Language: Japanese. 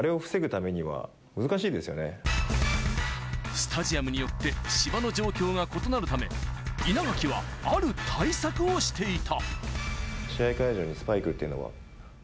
スタジアムによって、芝の状況が異なるため、稲垣はある対策をしていた。